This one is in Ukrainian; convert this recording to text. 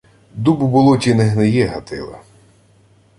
— Дуб у болоті не гниє, Гатиле.